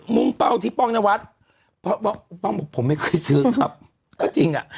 มุ่งเป้าที่ป้องนวัดป้องบอกผมไม่ค่อยซื้อกับก็จริงอ่ะ